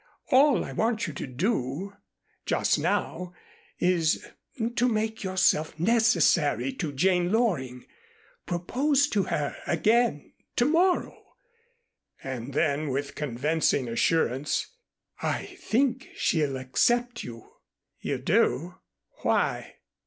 All I want you to do just now is to make yourself necessary to Jane Loring. Propose to her again to morrow," and then with convincing assurance, "I think she'll accept you." "You do? Why?"